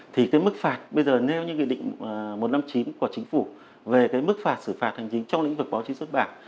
thì cái mức phạt bây giờ nêu như nghị định một trăm năm mươi chín của chính phủ về cái mức phạt xử phạt hành chính trong lĩnh vực báo chí xuất bản